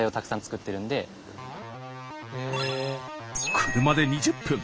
車で２０分。